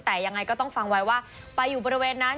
แต่ยังไงก็ต้องฟังไว้ว่าไปอยู่บริเวณนั้น